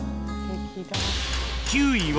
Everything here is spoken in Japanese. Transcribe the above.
９位は